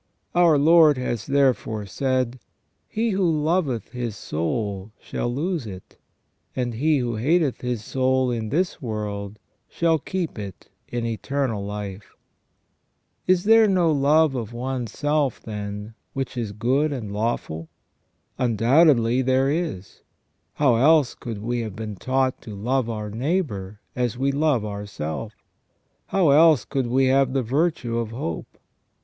Our Lord has therefore said :" He who loveth his soul shall lose it, and he who hateth his soul in this world shall keep it in eternal life ". Is there no love of one's self, then, which is good and lawful ? Undoubtedly there is. How else could we have been taught to love our neighbour as we love ourself ? How else could we have the virtue of hope